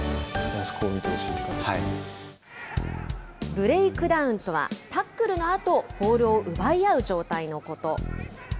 ブレイクダウンとは、タックルのあと、ボールを奪い合う状態のこと。